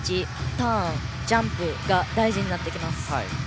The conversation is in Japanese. ターン、ジャンプが大事になってきます。